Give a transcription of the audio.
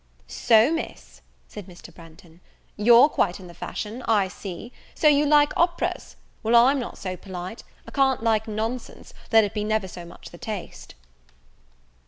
"So Miss," said Mr. Branghton, "you're quite in the fashion, I see so you like operas? Well, I'm not so polite; I can't like nonsense, let it be never so much the taste."